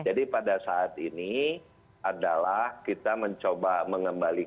jadi pada saat ini adalah kita mencoba mengembalikan itu